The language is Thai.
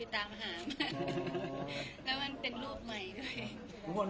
น้ำมันกำชานะตัวนี้จากไหนฮะมิตัวนี้อัฟริกาค่ะ